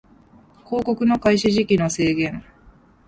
広告の開始時期の制限